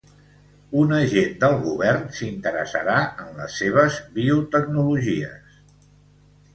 Un agent del govern s'interessarà en les seves biotecnologies.